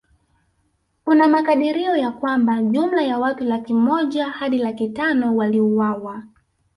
Kuna makadirio ya kwamba jumla ya watu laki moja hadi laki tano waliuawa